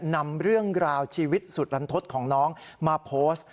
นำเรื่องราวชีวิตสุดลันทศของน้องมาโพสต์